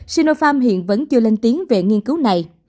sinopharm hiện vẫn chưa lên tiếng về nghiên cứu này